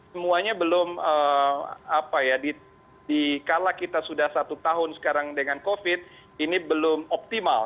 semuanya belum dikala kita sudah satu tahun sekarang dengan covid ini belum optimal